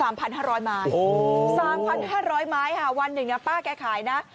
๓๕๐๐ไม้๓๕๐๐ไม้วันหนึ่งนะป้าแกขายนะ